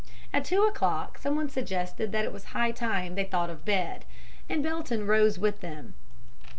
At two o'clock someone suggested that it was high time they thought of bed, and Belton rose with them.